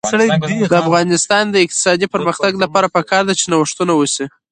د افغانستان د اقتصادي پرمختګ لپاره پکار ده چې نوښتونه وشي.